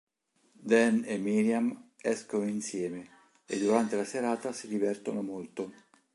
Dan e Miriam escono insieme e durante la serata si divertono molto.